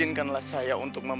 ijinkanlah saya untuk menjaga